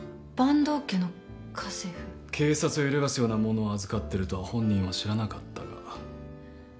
警察を揺るがすようなものを預かってるとは本人は知らなかったが。